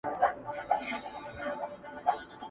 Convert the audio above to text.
یار نښانه د کندهار راوړې و یې ګورئ.